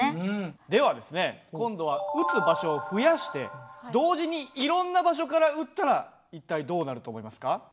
ではですね今度は撃つ場所を増やして同時にいろんな場所から撃ったら一体どうなると思いますか？